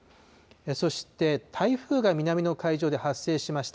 そして、台風が南の海上で発生しました。